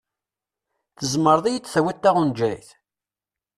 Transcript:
Tzemreḍ ad yid-tawiḍ taɣejayt?